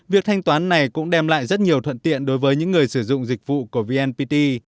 việc thanh toán này cũng đem lại rất nhiều thuận tiện đối với những người sử dụng dịch vụ của vnpt